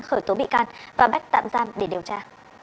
khởi tố bị can và bắt tạm giam để điều tra